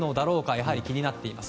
やはり気になっています。